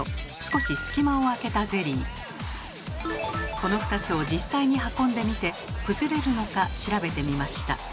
この２つを実際に運んでみて崩れるのか調べてみました。